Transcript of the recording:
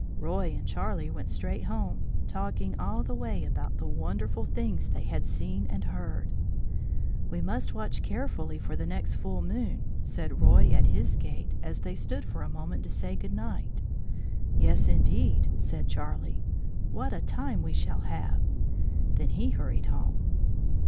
Roy and Charlie went straight home, talking all the way about the wonderful things they had seen and heard. "We must watch carefully for the next full moon," said Roy at his gate, as they stood for a moment to say good night. "Yes, indeed," said Charlie, "what a time we shall have!" Then he hurried home.